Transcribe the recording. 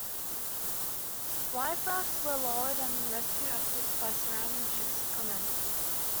Life rafts were lowered and rescue efforts by surrounding ships commenced.